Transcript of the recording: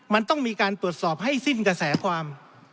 มันต้องมีการตรวจสอบให้สิ้นกระแสความ